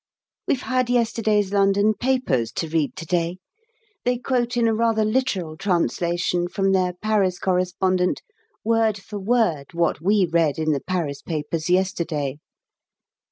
We've had yesterday's London papers to read to day; they quote in a rather literal translation from their Paris Correspondent word for word what we read in the Paris papers yesterday.